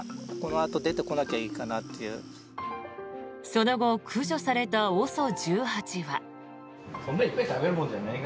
その後駆除されたＯＳＯ１８は。